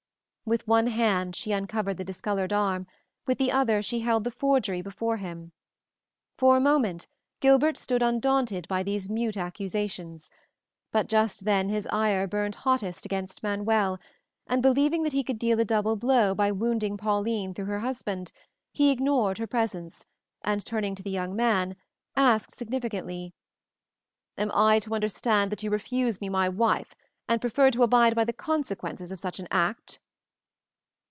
With one hand she uncovered the discolored arm, with the other held the forgery before him. For a moment Gilbert stood daunted by these mute accusations, but just then his ire burned hottest against Manuel; and believing that he could deal a double blow by wounding Pauline through her husband, he ignored her presence and, turning to the young man, asked significantly, "Am I to understand that you refuse me my wife, and prefer to abide by the consequences of such an act?"